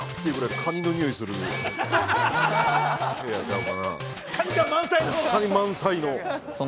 ◆カニが満載の。